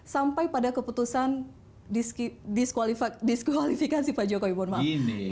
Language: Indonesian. sampai pada keputusan diskualifikasi pak jokowi mohon maaf